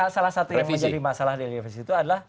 salah satu yang menjadi masalah di revisi itu adalah